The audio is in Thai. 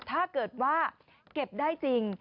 ถ้าเกิดว่าเก็บได้จริง